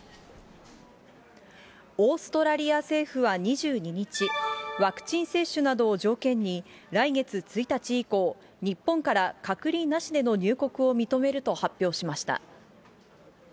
オーストラリア政府は２２日、ワクチン接種などを条件に、来月１日以降、日本から隔離なしでの入国を認めると発表しました。